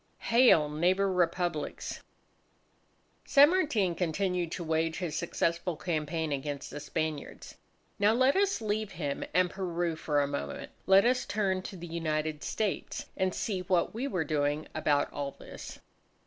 HAIL! NEIGHBOUR REPUBLICS! San Martin continued to wage his successful campaign against the Spaniards. Now, let us leave him and Peru for a moment. Let us turn to the United States and see what we were doing about all this.